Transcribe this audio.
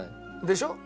でしょ？